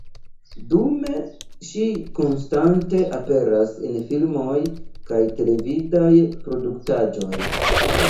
Dume ŝi konstante aperas en filmoj kaj televidaj produktaĵoj.